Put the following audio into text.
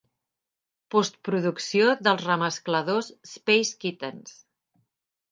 Postproducció dels remescladors "Space Kittens".